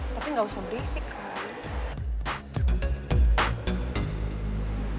tapi gak usah berisik kak